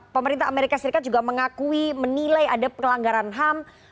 pemerintah amerika serikat juga mengakui menilai ada pelanggaran ham